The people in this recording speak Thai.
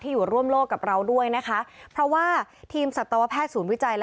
อยู่ร่วมโลกกับเราด้วยนะคะเพราะว่าทีมสัตวแพทย์ศูนย์วิจัย